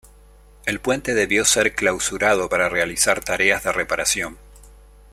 El puente debió ser clausurado para realizar tareas de reparación.